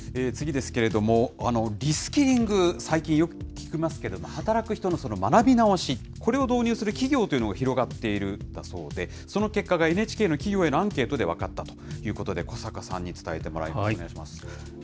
次ですけれども、リスキリング、最近、よく聞きますけれども、働く人の学び直し、これを導入する企業というのが広がっているんだそうで、その結果がＮＨＫの企業へのアンケートで分かったということで、小坂さんに伝えてもらいます。